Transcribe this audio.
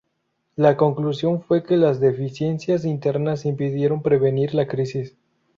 La conclusión fue que las deficiencias internas impidieron prevenir la crisis.